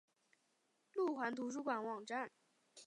路环图书馆网站